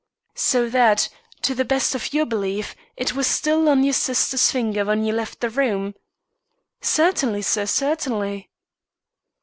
"So that, to the best of your belief, it was still on your sister's finger when you left the room?" "Certainly, sir, certainly."